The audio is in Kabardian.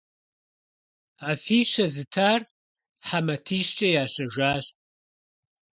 Афищэ зытар хьэ матищкӀэ ящэжащ.